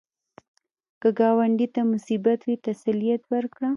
که ګاونډي ته مصیبت وي، تسلیت ورکړه